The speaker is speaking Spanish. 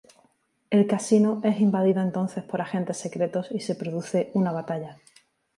El casino es invadido entonces por agentes secretos y se produce una batalla.